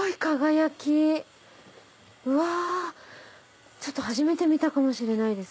うわちょっと初めて見たかもしれないです。